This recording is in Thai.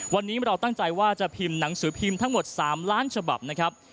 วันนี้เราตั้งใจว่าจะพิมพ์หนังสือพิมพ์ทั้งหมด๓ล้านฉบับนะครับ